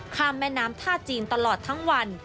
แม่น้ำท่าจีนตลอดทั้งวัน